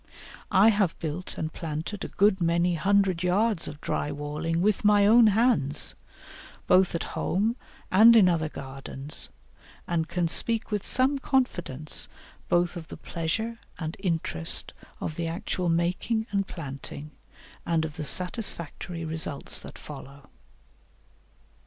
I have built and planted a good many hundred yards of dry walling with my own hands, both at home and in other gardens, and can speak with some confidence both of the pleasure and interest of the actual making and planting, and of the satisfactory results that follow.